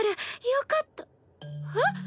よかったえっ？